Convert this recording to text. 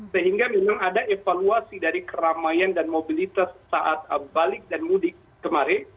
sehingga memang ada evaluasi dari keramaian dan mobilitas saat balik dan mudik kemarin